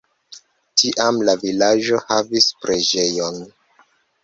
Tiam la vilaĝo havis preĝejon.